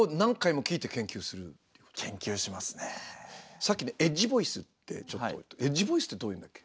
さっきねエッジボイスってちょっと「エッジボイス」ってどういうのだっけ？